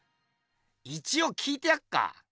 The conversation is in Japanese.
一おう聞いてやっか。